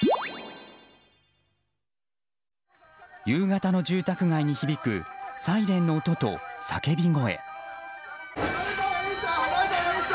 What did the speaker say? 夕方の住宅街に響くサイレンの音と叫び声。